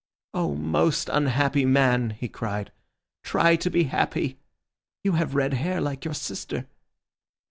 "Oh, most unhappy man," he cried, "try to be happy! You have red hair like your sister."